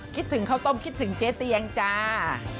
คิดถึงข้าวต้มคิดถึงเจ๊เตียงจ้า